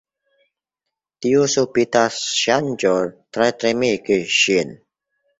Tiu subita ŝanĝo tre timigis ŝin.